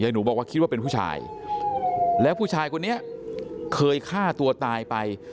หนูบอกว่าคิดว่าเป็นผู้ชายแล้วผู้ชายคนนี้เคยฆ่าตัวตายไป